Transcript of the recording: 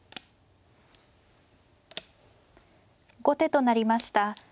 後手となりました